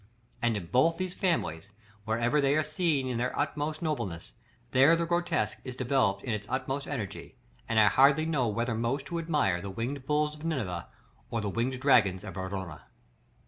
And in both these families, wherever they are seen in their utmost nobleness, there the grotesque is developed in its utmost energy; and I hardly know whether most to admire the winged bulls of Nineveh, or the winged dragons of Verona.